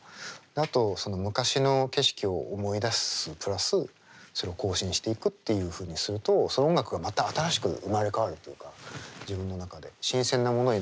あと昔の景色を思い出すプラスそれを更新していくっていうふうにするとその音楽がまた新しく生まれ変わるというか自分の中で新鮮なものになるので。